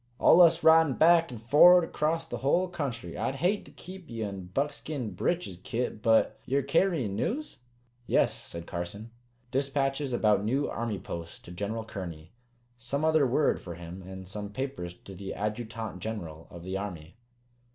"Allus ridin' back and forerd acrost the hull country. I'd hate to keep ye in buckskin breeches, Kit. But ye're carryin' news?" "Yes," said Carson. "Dispatches about new Army posts to General Kearny. Some other word for him, and some papers to the Adjutant General of the Army.